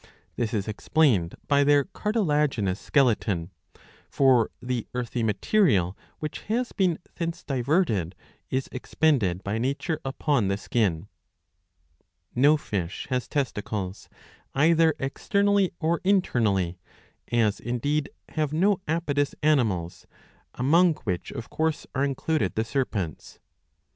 This is explained by their cartilaginous skeleton. For the earthy material which has been thence diverted is expended by nature upon the skin.^^ No fish has testicles^* either externally or internally ; as indeed have no apodous animals, among which of course are included the serpents.